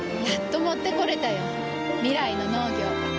やっと持ってこれたよ。未来の農業。